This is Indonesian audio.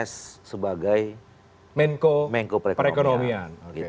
sebagai menko perekonomian